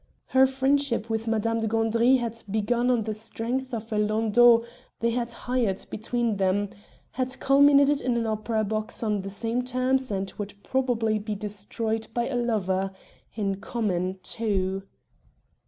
Her friendship with Madame de Gandry had begun on the strength of a landau they had hired between them, had culminated in an opera box on the same terms, and would probably be destroyed by a lover in common too.